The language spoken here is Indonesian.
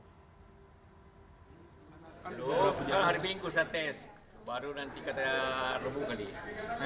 hari minggu saya tes baru nanti ketika rabu kali ya